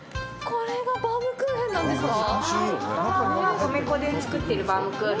これがバウムクーヘンなんですか。